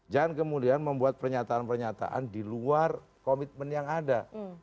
jangan kemudian membuat pernyataan pernyataan di luar komitmen yang ada